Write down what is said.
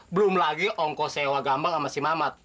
belum lagi ongkos sewa gambang sama si mamat